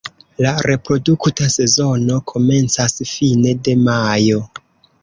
La reprodukta sezono komencas fine de majo.